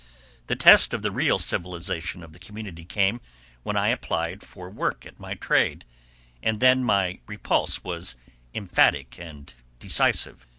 The test of the real civilization of the community came when I applied for work at my trade, and then my repulse was emphatic and decisive.